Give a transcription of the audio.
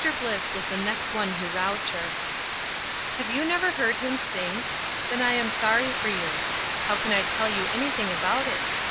Bliss was the next one who roused her. You have never heard him sing? Then I am sorry for you. How can I tell you anything about it?